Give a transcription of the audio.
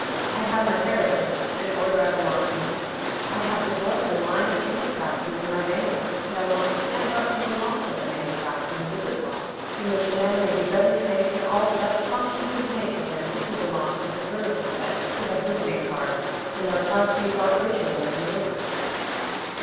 I have my heritage an order I belong to. I have the blood of a line of handicraftsmen in my veins, and I want to stand up for the lot of the handicraftsman as a good lot, in which a man may be better trained to all the best functions of his nature than if he belonged to the grimacing set who have visiting cards, and are proud to be thought richer than their neighbors."